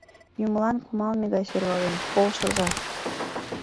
— Юмылан кумалме гай сӧрвалем — полшыза.